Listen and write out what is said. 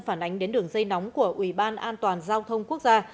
phản ánh đến đường dây nóng của ủy ban an toàn giao thông quốc gia